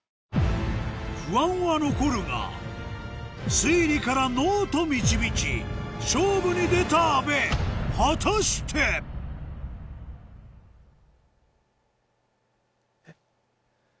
不安は残るが推理から「Ｎｏ」と導き勝負に出た阿部果たして⁉えっ？